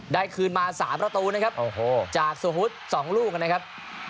ได้คืนมา๓ประตูนะครับจากฮุธ๒ลูกนะครับ